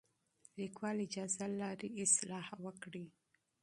لیکوال اجازه لري اصلاح وکړي.